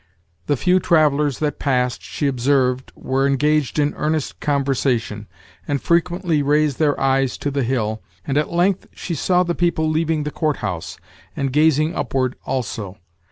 The few travellers that passed, she observed, were engaged in earnest conversation, and frequently raised their eyes to the hill, and at length she saw the people leaving the court house, and gazing upward also.